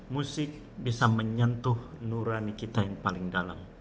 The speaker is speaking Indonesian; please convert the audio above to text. musik bisa menyentuh nurani kita yang paling dalam